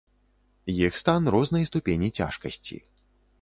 Іх стан рознай ступені цяжкасці.